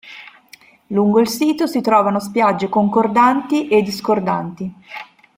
Lungo il sito si trovano spiagge concordanti e discordanti.